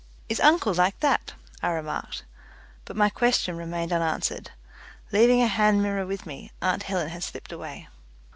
"Is uncle like that?" I remarked, but my question remained unanswered. Leaving a hand mirror with me, aunt Helen had slipped away.